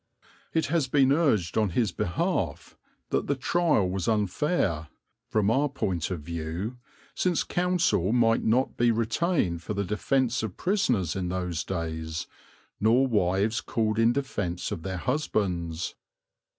It has been urged on his behalf that the trial was unfair, from our point of view, since counsel might not be retained for the defence of prisoners in those days nor wives called in defence of their husbands.